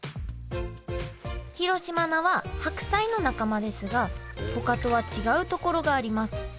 広島菜は白菜の仲間ですがほかとは違うところがあります。